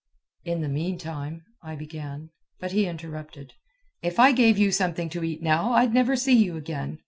"In the meantime " I began; but he interrupted. "If I gave you something to eat now, I'd never see you again.